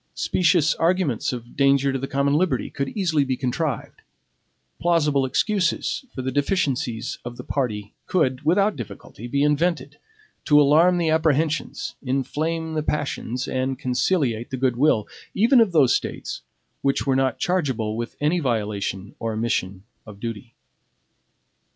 Specious arguments of danger to the common liberty could easily be contrived; plausible excuses for the deficiencies of the party could, without difficulty, be invented to alarm the apprehensions, inflame the passions, and conciliate the good will, even of those States which were not chargeable with any violation or omission of duty.